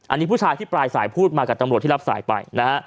อันนี้ผู้ชายที่ปลายสายพูดมากับตำรวจที่รับสายไปนะฮะ